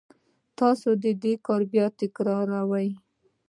تاسې دا کار بیا بیا تکراروئ